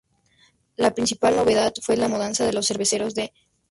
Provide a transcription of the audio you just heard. La principal novedad fue la mudanza de los Cerveceros de Milwaukee hacia St.